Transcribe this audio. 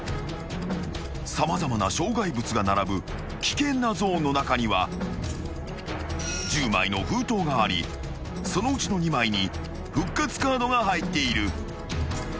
［様々な障害物が並ぶ危険なゾーンの中には１０枚の封筒がありそのうちの２枚に復活カードが入っている］